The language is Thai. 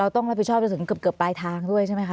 ต้องรับผิดชอบจนถึงเกือบปลายทางด้วยใช่ไหมคะ